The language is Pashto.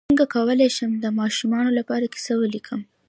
څنګه کولی شم د ماشومانو لپاره کیسه ولیکم